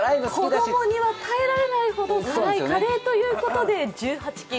子供には耐えられないほど辛いカレーということで１８禁。